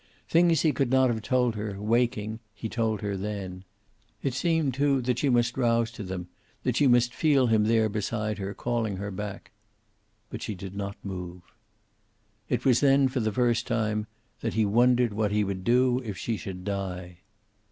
Things he could not have told her, waking, he told her then. It seemed, too, that she must rouse to them, that she must feel him there beside her, calling her back. But she did not move. It was then, for the first time, that he wondered what he would do if she should die.